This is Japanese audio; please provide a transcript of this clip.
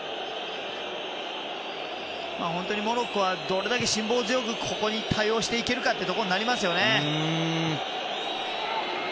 モロッコはどれだけ辛抱強くここに対応していけるかということになりますよね。